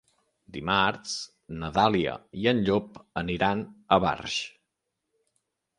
Dimarts na Dàlia i en Llop aniran a Barx.